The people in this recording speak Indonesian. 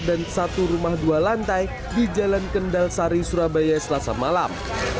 dan satu rumah dua lantai di jalan kendal sari surabaya selasa malam